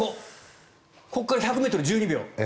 ここから１００ｍ１２秒。